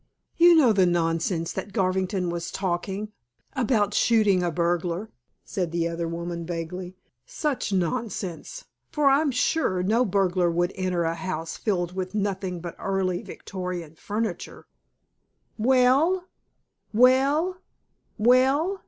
"You know the nonsense that Garvington was talking; about shooting a burglar," said the other woman vaguely. "Such nonsense, for I'm sure no burglar would enter a house filled with nothing but Early Victorian furniture." "Well? Well? Well?"